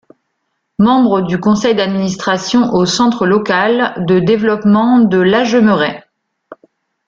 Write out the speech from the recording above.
Membre du conseil d'administration au Centre local de développement de Lajemmerais.